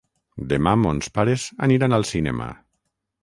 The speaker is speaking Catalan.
Demà mons pares aniran al cinema.